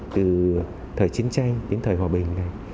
từ thời chiến tranh đến thời hòa bình này